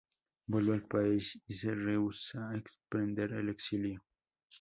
Vuelve al país y se rehúsa a emprender el exilio.